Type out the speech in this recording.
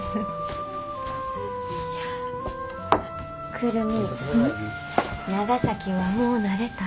久留美長崎はもう慣れた？